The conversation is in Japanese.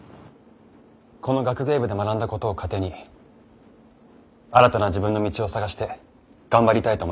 この学芸部で学んだことを糧に新たな自分の道を探して頑張りたいと思います。